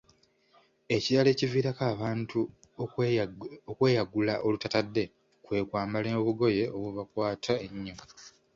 Ekirala ekiviirako abantu okweyagula olutatadde kwe kwambala obugoye obubakwata ennyo.